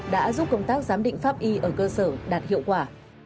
đã giúp công tác giám định pháp y ở cơ sở đạt hiệu quả